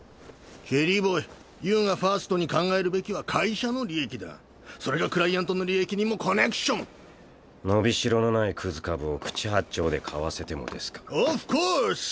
チェリーボーイユーがファーストに考えるべきは会社の利益だそれがクライアントの利益にもコネク伸びしろのないクズ株を口八丁で買わせてオフコース！